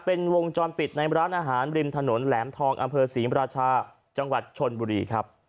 เป็นวงจรปิดในร้านอาหารริมถนนแหลมทองอศรีราชาจชลบุรีครับ